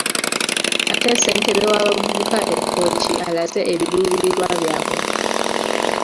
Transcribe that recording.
Ate Ssentebe w'abavubuka e Kkooki alaze ebiruubirirwa byabwe.